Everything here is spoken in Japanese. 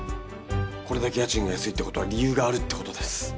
これだけ家賃が安いってことは理由があるってことです。